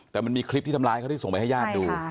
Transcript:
แต่มันมีคลิปที่ทำร้ายเขาที่ส่งไปให้ญาติดู